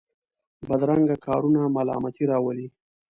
بدرنګه کارونه ملامتۍ راولي